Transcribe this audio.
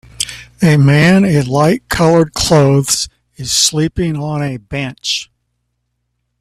A man in light colored clothes is sleeping on a bench.